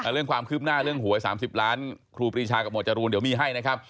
เรื่องความคืบหน้าเรื่องหวย๓๐ล้านครูปรีชากับหวดจรูนเดี๋ยวมีให้นะครับ